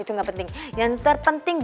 itu gak penting